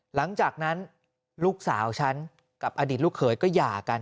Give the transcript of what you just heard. หลังจากนั้นลูกสาวฉันกับอดีตลูกเขยก็หย่ากัน